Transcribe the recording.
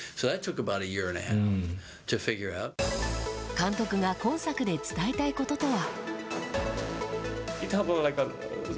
監督が今作で伝えたいこととは。